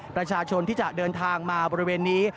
ประชาชนที่จะเดินทางมาบริเวณนี้